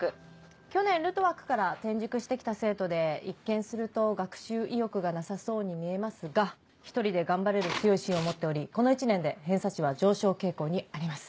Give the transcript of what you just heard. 去年ルトワックから転塾して来た生徒で一見すると学習意欲がなさそうに見えますが一人で頑張れる強い心を持っておりこの１年で偏差値は上昇傾向にあります。